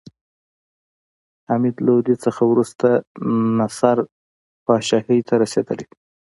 حمید لودي څخه وروسته نصر پاچاهي ته رسېدلى دﺉ.